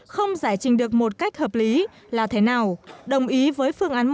không giải trình được một cách hợp lý là thế nào đồng ý với phương án một